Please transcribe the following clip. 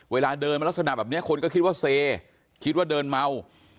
เวลาเดินมาลักษณะแบบนี้คนก็คิดว่าเซคิดว่าเดินเมา